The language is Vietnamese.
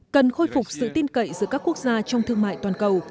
cần khôi phục sự tin cậy giữa các quốc gia trong thương mại toàn cầu